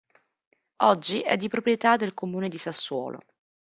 Oggi è di proprietà del comune di Sassuolo.